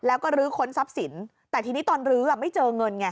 แล้วก็ลื้อค้นทรัพย์สินแต่ทีนี้ตอนลื้อไม่เจอเงินไง